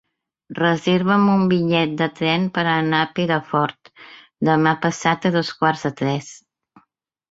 Reserva'm un bitllet de tren per anar a Perafort demà passat a dos quarts de tres.